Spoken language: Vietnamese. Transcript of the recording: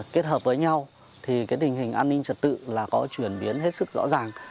kết hợp với nhau thì tình hình an ninh trật tự là có chuyển biến hết sức rõ ràng